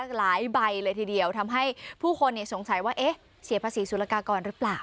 หลายใบเลยทีเดียวทำให้ผู้คนสงสัยว่าเอ๊ะเสียภาษีสุรกากรหรือเปล่า